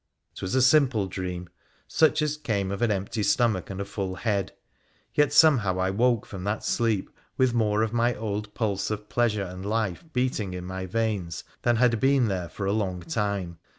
'Twas a simple dream, such as came of an empty stomach and a full head, yet somehow I woke from that sleep with more of my old pulse of pleasure and life beating in my veins than had been there for a long time.